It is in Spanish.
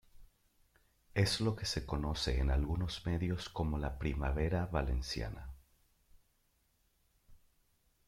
Es lo que se conoce en algunos medios como la primavera valenciana.